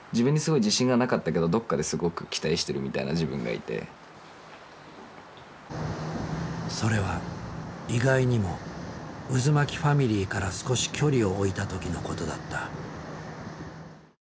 いやもうこうそれは意外にもうずまきファミリーから少し距離を置いた時のことだった。